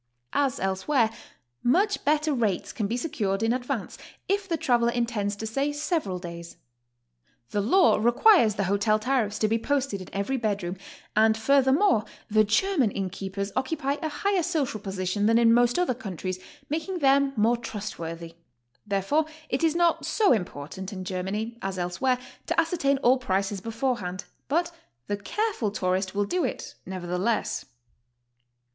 As elsewhere, much better rates can be secured, in advance, if the traveler intends to stay several days. The law requires the hotel tariffs to be posted in every be d room, and furthermore tlie German inn keepers occupy a higher social position than in most other countries, making them more trustworthy; therefore, it is not so important in Germany as elsewhere to ascertain all prices beforehand, but the careful tourist will do it nevertheless.